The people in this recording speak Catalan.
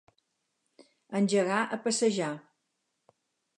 Engegar a passejar.